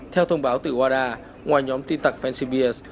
theo thông báo từ wada ngoài nhóm tin tặc fansibir